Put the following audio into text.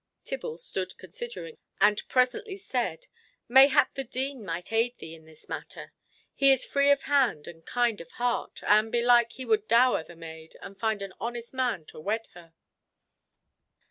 Tibble stood considering, and presently said, "Mayhap the Dean might aid thee in this matter. He is free of hand and kind of heart, and belike he would dower the maid, and find an honest man to wed her."